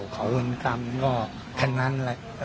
เขาก็ทำงานแค่นั้น